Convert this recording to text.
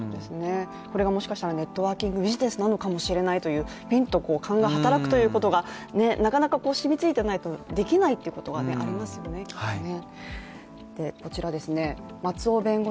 これが、もしかしたらネットワーキングビジネスなのかもしれないというピンと勘が働くということが、なかなか染みついていないとできないってことがありますよね、きっとね。